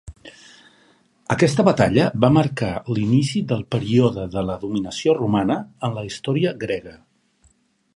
Aquesta batalla va marcar l'inici del període de la dominació romana en la història grega.